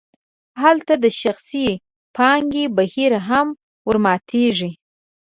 هلته د شخصي پانګې بهیر هم ورماتیږي.